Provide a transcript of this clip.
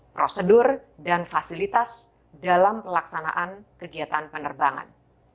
prosedur dan fasilitas dalam pelaksanaan kegiatan penerbangan